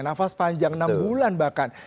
nafas panjang enam bulan bahkan